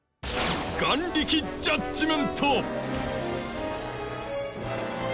眼力ジャッジメント！